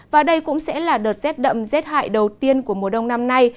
và đây cũng sẽ là đợt rét đậm rét hại đầu tiên của mùa đông năm nay